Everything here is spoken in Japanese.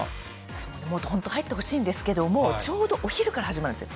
本当もっと入ってほしいんですけれども、ちょうどお昼から始まるんですよ。